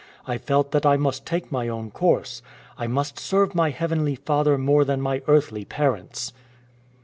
I felt that I must take my own course. I must serve my Heavenly Father more than my earthly parents.